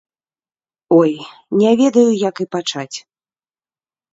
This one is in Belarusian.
Ой, не ведаю, як і пачаць.